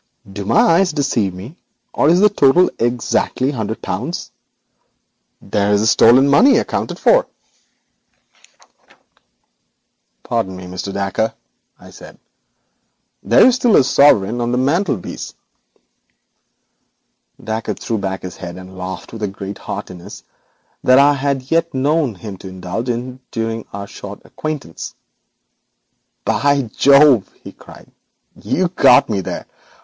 Do my eyes deceive me, or is the sum exactly a hundred pounds? There is your money fully accounted for.' 'Pardon me, Mr. Dacre,' I said, 'but I observe a sovereign resting on the mantelpiece.' Dacre threw back his head and laughed with greater heartiness than I had yet known him to indulge in during our short acquaintance. 'By Jove,' he cried, 'you've got me there.